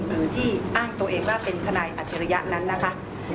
หรือที่อ้างตัวเองว่าเป็นทนายอัจฉริยะนั้นนะคะ